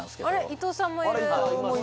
伊藤さんもいる。